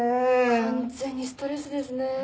完全にストレスですね。